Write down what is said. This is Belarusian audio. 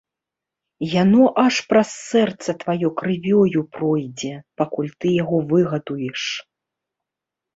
Яно аж праз сэрца тваё крывёю пройдзе, пакуль ты яго выгадуеш.